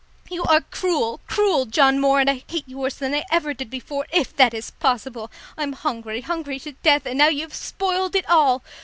"You are cruel, cruel, John Moore, and I hate you worse than I ever did before, if that is possible. I'm hungry, hungry to death, and now you've spoiled it all!